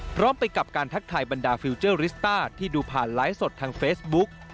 พร้อมไปกับการทักทายบรรดาฟิลเจอร์ริสต้าที่ดูผ่านไลฟ์สดทางเฟซบุ๊ก